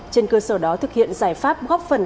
trên cơ sở đó thực hiện giải pháp góp phần